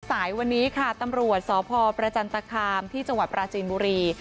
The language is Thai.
สายวันนี้ค่ะตำรวจสพประจันตคามที่จังหวัดปราจีนบุรี